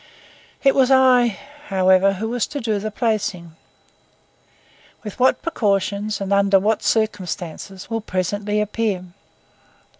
It was I, however, who was to do the placing. With what precautions and under what circumstances will presently appear.